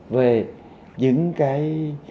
về những cái